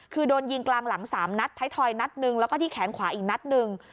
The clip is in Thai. คือโดนยิงกลางหลัง๓นัดท้ายทอยนัดหนึ่งแล้วก็ที่แขนขวาอีกนัดหนึ่ง